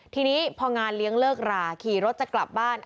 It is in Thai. ทีนี้พองานเลี้ยงเลิกราขี่รถจะกลับบ้าน